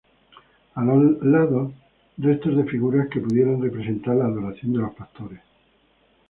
A los lados, restos de figuras que pudieran representar la Adoración de los Pastores.